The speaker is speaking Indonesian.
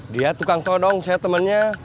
dia tukang tolong saya temennya